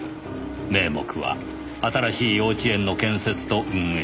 名目は新しい幼稚園の建設と運営。